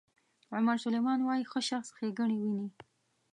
عمر سلیمان وایي ښه شخص ښېګڼې ویني.